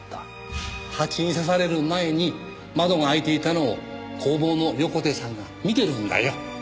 ハチに刺される前に窓が開いていたのを工房の横手さんが見てるんだよ。